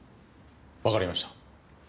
わかりました。